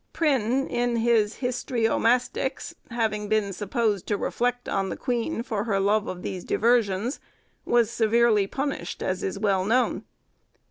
Prynne, in his 'Histriomastix,' having been supposed to reflect on the queen for her love of these diversions, was severely punished, as is well known.